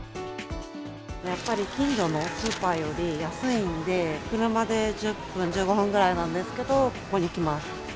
やっぱり近所のスーパーより安いので、車で１０分、１５分ぐらいなんですけど、ここに来ます。